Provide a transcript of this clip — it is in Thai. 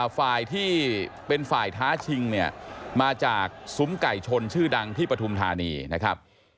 ฝ่ายที่เป็นฝ่ายท้าชิงเนี่ยมาจากซุ้มไก่ชนชื่อดังที่ปฐุมธานีนะครับ